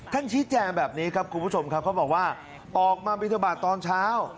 ชี้แจงแบบนี้ครับคุณผู้ชมครับเขาบอกว่าออกมาบินทบาทตอนเช้า